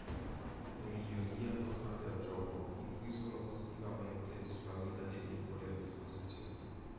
Le migliorie apportate al gioco influiscono positivamente sulla guida dei veicoli a disposizione.